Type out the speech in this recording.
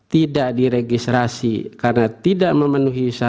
tidak diregistrasi karena tidak memenuhi syarat